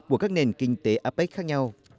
của các nền kinh tế apec khác nhau